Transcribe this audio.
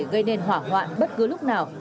gây nên hỏa hoạn bất cứ lúc nào